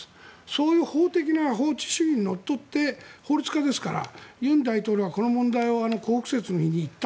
そういう法的な法治主義にのっとって法律家ですから尹大統領がこの問題を光復節の日に言った。